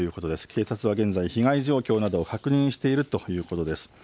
警察は現在、被害状況などを確認しているということです。